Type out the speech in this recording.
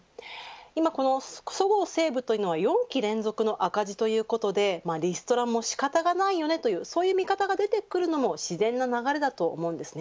今このそごう・西武というのは４期連続の赤字ということでリストラも仕方がないよねというそういう見方が出てくるのも自然な流れだと思います。